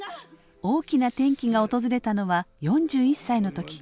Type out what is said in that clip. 大きな転機が訪れたのは４１歳の時。